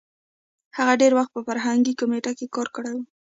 هغه ډېر وخت په فرهنګي کمېټه کې کار کړی وو.